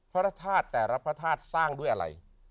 พระธาตุแต่ละพระธาตุสร้างด้วยอะไร